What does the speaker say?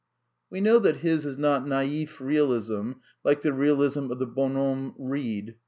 We know that his is not " naif realism," like the realism of the bonhomme Reid.